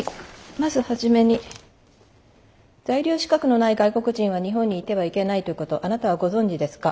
まず初めに在留資格のない外国人は日本にいてはいけないということあなたはご存じですか？